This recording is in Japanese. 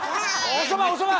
おそばおそば！